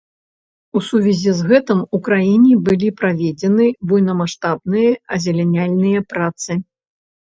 У сувязі з гэтым, у краіне былі праведзены буйнамаштабныя азеляняльныя працы.